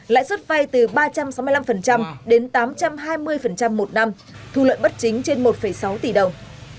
lãi suất vay từ ba trăm sáu mươi năm đến tám trăm hai mươi một năm thu lợi bất chính trên một sáu tỷ đồng